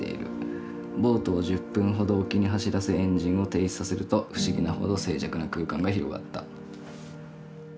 ボートを１０分ほど沖に走らせエンジンを停止させると不思議なほど静寂な空間が広がった」。